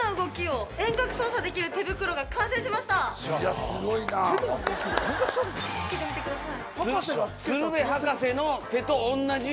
動かしてみてください！